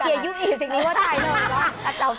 จริงอยู่สิ่งนี้พอใช้ได้แล้วไง